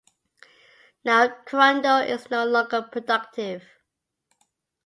Now Kirundo is no longer productive.